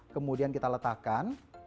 kemudian kita letakkan